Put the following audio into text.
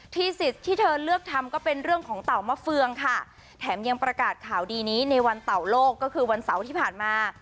สิทธิ์ที่เธอเลือกทำก็เป็นเรื่องของเต่ามะเฟืองค่ะแถมยังประกาศข่าวดีนี้ในวันเต่าโลกก็คือวันเสาร์ที่ผ่านมา